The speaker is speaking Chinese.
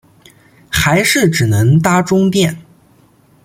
还是只能搭终电